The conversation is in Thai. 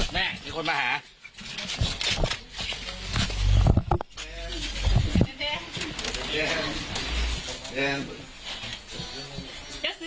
แม่มีคนมาหา